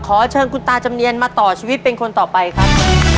ขอเชิญคุณตาจำเนียนมาต่อชีวิตเป็นคนต่อไปครับ